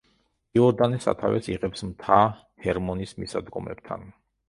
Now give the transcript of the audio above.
იორდანე სათავეს იღებს მთა ჰერმონის მისადგომებთან.